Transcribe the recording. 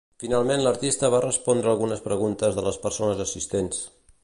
Finalment l'artista va respondre algunes preguntes de les persones assistents.